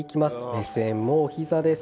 目線もお膝です。